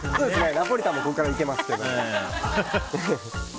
ナポリタンもここからいけますけど。